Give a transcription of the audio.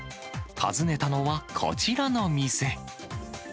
訪ねたのはこちらの店。